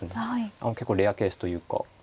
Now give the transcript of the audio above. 結構レアケースというか。